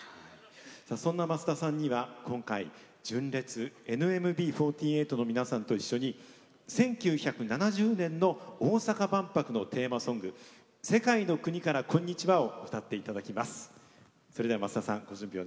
そんな増田さんには今回純烈、ＮＭＢ４８の皆さんと一緒に１９７０年の大阪万博のテーマソング「世界の国からこんにちは」を歌っていただきます。